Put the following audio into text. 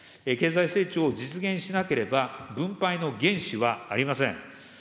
経済成長を実現しなければ、分配の原資はありません。